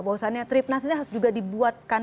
bahwasannya tripnas ini harus juga dibuatkan